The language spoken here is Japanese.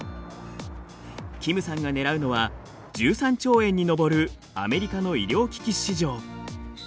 キムさんが狙うのは１３兆円に上るアメリカの医療機器市場。